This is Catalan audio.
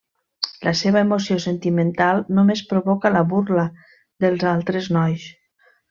La seva emoció sentimental només provoca la burla dels altres nois.